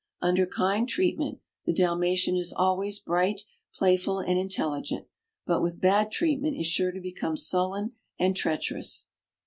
Under kind treatment, the Dalmatian is always bright, playful, and intelligent, but with bad treatment is sure to become sullen and treacherous.